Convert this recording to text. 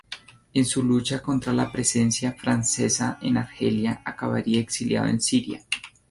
En su lucha contra la presencia francesa en Argelia, acabaría exiliado en Siria.